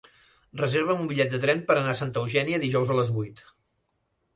Reserva'm un bitllet de tren per anar a Santa Eugènia dijous a les vuit.